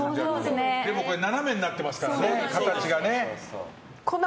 でも、斜めになってますから形がね。